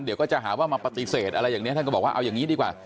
เดี๋ยวก็จะหาว่ามาปฏิเสธอะไรอย่างนี้ท่านก็บอกว่าเอาอย่างนี้ดีกว่า